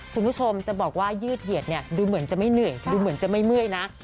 คุณผู้ชมจะบอกว่ายืดเหยี่ยดนี่ดูเหมือนจะไม่เหนื่อยนะ